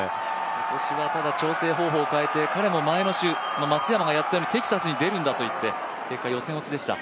今年は調整方法を変えて、彼も前の週松山がやったようにテキサスに出るんだといって、結果、予選落ちでした。